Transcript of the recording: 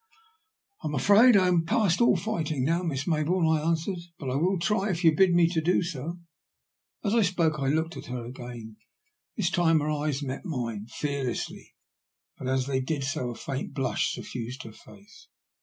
"I am afraid I am past all fighting now, Miss Maybourne," I answered. " But I will try, if you bid me do so." Ab I spoke I looked at her again. This time her 144 THE LUST OF HATE. eyes met mine fearlessly, but as they did so a faint blush suffused her face.